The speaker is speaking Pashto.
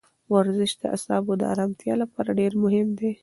ورزش د اعصابو د ارامتیا لپاره ډېر مهم دی.